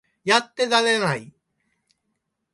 やってられない